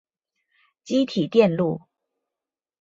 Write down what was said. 积体电路